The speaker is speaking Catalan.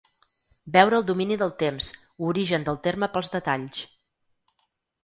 Veure el domini del temps: origen del terme pels detalls.